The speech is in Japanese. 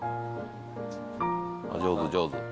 上手上手。